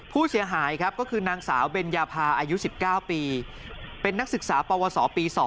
ผู้เสียหายครับก็คือนางสาวเบญญาพาอายุ๑๙ปีเป็นนักศึกษาปวสปี๒